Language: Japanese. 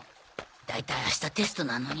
大体明日テストなのに。